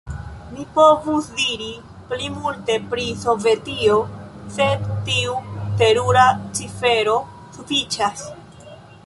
Mi povus diri pli multe pri Sovetio, sed tiu terura cifero sufiĉas.